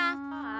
wah uap ya